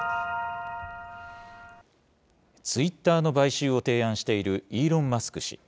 ツイッターの買収を提案しているイーロン・マスク氏。